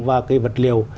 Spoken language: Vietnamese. và cái vật liều